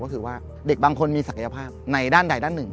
ก็คือว่าเด็กบางคนมีศักยภาพในด้านใดด้านหนึ่ง